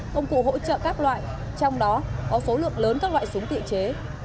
công cụ hỗ trợ các loại trong đó có số lượng lớn các loại súng tự chế